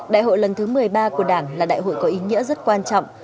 đại hội lần thứ một mươi ba của đảng là đại hội có ý nghĩa rất quan trọng